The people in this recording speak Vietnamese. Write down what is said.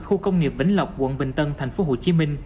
khu công nghiệp vĩnh lộc quận bình tân tp hcm